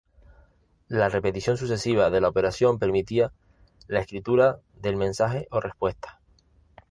La repetición sucesiva de la operación permitía la escritura del mensaje o respuesta.